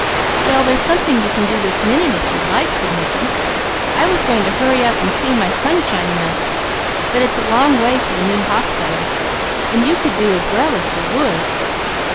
"Well there's something you can do this minute if you'd like," said Mickey. "I was going to hurry up and see my Sunshine Nurse, but it's a long way to the new hospital, and you could do as well, if you would."